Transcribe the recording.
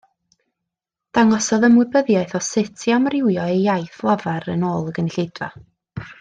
Dangosodd ymwybyddiaeth o sut i amrywio ei iaith lafar yn ôl y gynulleidfa